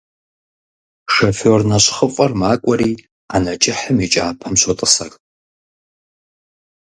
Шофёр нэщхъыфӀэр макӀуэри ӏэнэ кӀыхьым и кӀапэм щотӀысэх.